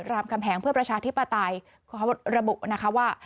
รามคำแหงเพื่อประชาธิปไตยเขาระบุนะคะว่า